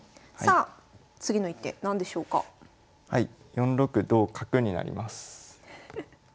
４六同角になります。